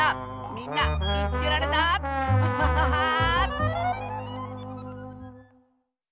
みんなみつけられた？アハハハー！